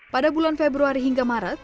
pada bulan februari hingga maret